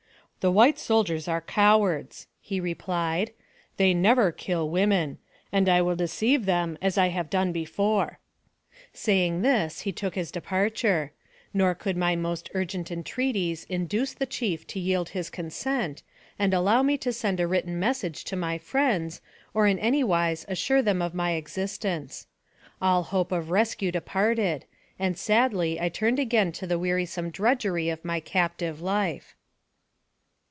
" The white soldiers are cowards," he replied ;" they never kill women; and I will deceive them as I have done before." Saying this, he took his departure; nor could my most urgent entreaties induce the chief to yield his consent, and allow me to send a written message to my friends, or in any wise assure them of my existence. AMONG THE SIOUX INDIANS. 131 All hope of rescue departed, and sadly I turned again to the wearisome drudgery of my captive life.